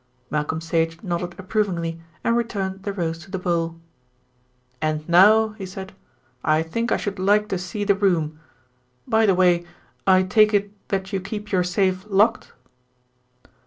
Malcolm Sage nodded approvingly, and returned the rose to the bowl. "And now," he said, "I think I should like to see the room. By the way, I take it that you keep your safe locked?"